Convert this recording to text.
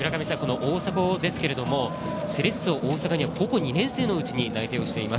大迫ですけれども、セレッソ大阪に高校２年生のうちに内定しています。